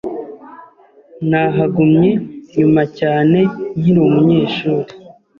Nahagumye nyuma cyane nkiri umunyeshuri.